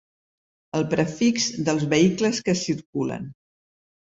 El prefix dels vehicles que circulen.